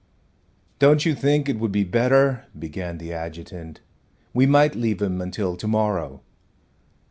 "Don't you think it would be better " began the adjutant. "We might leave him until tomorrow."